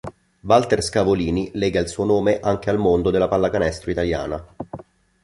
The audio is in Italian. Valter Scavolini lega il suo nome anche al mondo della pallacanestro italiana.